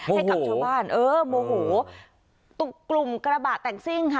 ให้กับชาวบ้านเออโมโหตุกกลุ่มกระบะแต่งซิ่งค่ะ